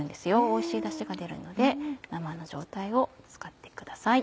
おいしいダシが出るので生の状態を使ってください。